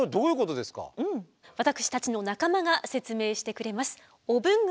私たちの仲間が説明してくれます。